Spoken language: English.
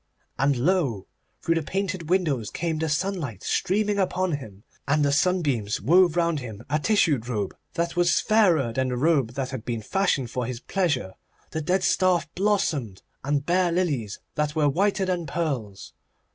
And lo! through the painted windows came the sunlight streaming upon him, and the sun beams wove round him a tissued robe that was fairer than the robe that had been fashioned for his pleasure. The dead staff blossomed, and bare lilies that were whiter than pearls.